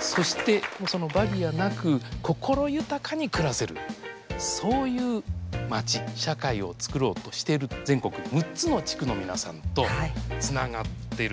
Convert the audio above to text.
そしてそのバリアなく心豊かに暮らせるそういう町社会をつくろうとしてる全国６つの地区の皆さんとつながっているんです。